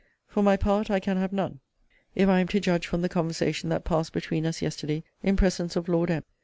For my part, I can have none, if I am to judge from the conversation that passed between us yesterday, in presence of Lord M.